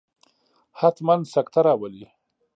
حتما سکته راولي.